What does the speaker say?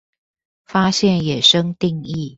發現野生定義